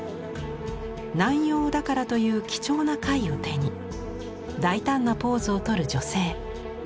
ナンヨウダカラという貴重な貝を手に大胆なポーズをとる女性。